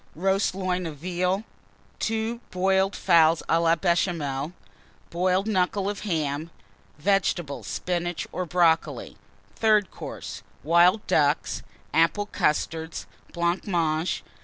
Roast Loin of Veal. Two Boiled Fowls à la Béchamel. Boiled Knuckle of Ham. Vegetables Spinach or Brocoli. THIRD COURSE. Wild Ducks. Apple Custards. Blancmange.